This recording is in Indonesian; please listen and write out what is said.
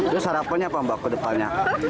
terus harapannya apa mbak kedepannya